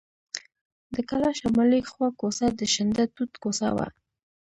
د کلا شمالي خوا کوڅه د شنډه توت کوڅه وه.